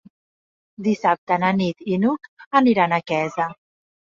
Dissabte na Nit i n'Hug aniran a Quesa.